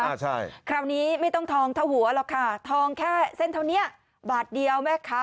อ่าใช่คราวนี้ไม่ต้องทองเท่าหัวหรอกค่ะทองแค่เส้นเท่านี้บาทเดียวแม่ค้า